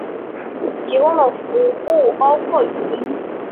提供的服务包括话音。